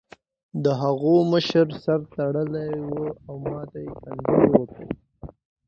د هغوی مشر سر تړلی و او ماته یې کنځلې وکړې